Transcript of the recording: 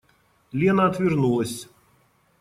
Лена отвернулась.